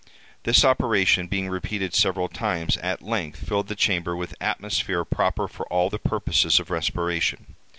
This operation being repeated several times, at length filled the chamber with atmosphere proper for all the purposes of respiration.